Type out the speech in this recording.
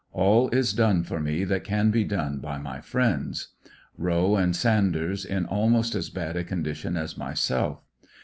All is done for me that can be done by my friends. Kowe and Sanders in almost as bad a condition as myself.